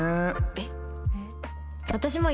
えっ？